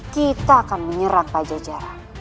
kita akan menyerang pencejaran